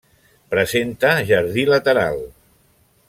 Presenta jardí lateral.